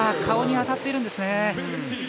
顔に当たってるんですね。